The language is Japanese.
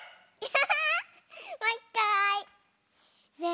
ハハハハ！